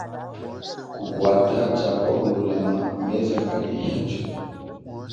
Kukwata cha kwa kululama meza kaliehacho?